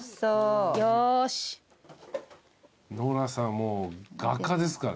もう画家ですからね。